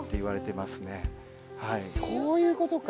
そういうことか。